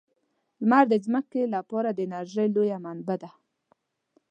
لمر د ځمکې لپاره د انرژۍ لویه منبع ده.